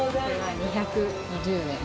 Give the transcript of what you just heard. ２２０円。